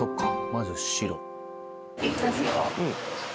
まず白。